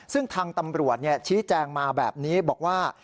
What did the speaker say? ซึ่งทางตำรวจชี้แจงมาแบบนี้บอกว่า